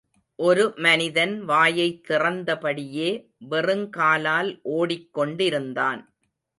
ஒரு மனிதன் வாயைத் திறந்தபடியே, வெறுங்காலால் ஓடிக் கொண்டிருந்தான்.